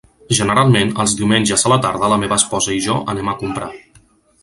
Generalment, els diumenges a la tarda la meva esposa i jo anem a comprar.